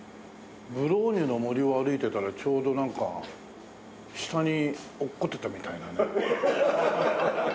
ブローニュの森を歩いてたらちょうどなんか下に落っこちてたみたいなね。